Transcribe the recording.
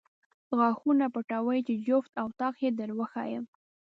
غاښونه پټوې چې جفت او طاق یې در وښایم.